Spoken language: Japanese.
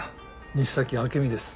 西崎朱です。